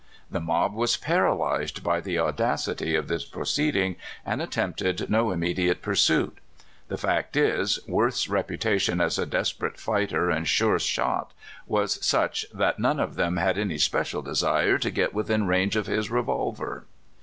The mob was paralyzed by the audacity of this proceeding, and attempted no immediate pursuit. The fact is, Worth's reputation as a des perate fighter and sure shot was such that none of them had any special desire to get within range of his revolver.